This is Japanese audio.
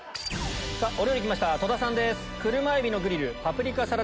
お料理来ました戸田さんです。